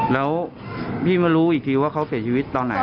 แล้วพี่มารู้อีกทีว่าเขาเสียชีวิตตอนไหน